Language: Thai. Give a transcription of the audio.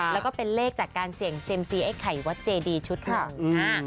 แล้วก็เป็นเลขจากการเสี่ยงเซียมซีไอ้ไข่วัดเจดีชุดหนึ่ง